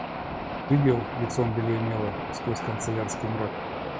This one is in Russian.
Глядел, лицом белее мела, сквозь канцелярский мрак.